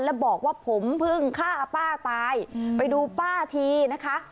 แล้วบอกว่าผมเพิ่งฆ่าป้าตายไปดูป้าทีนะคะ